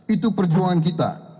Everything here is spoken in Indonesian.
itu perjuangan kita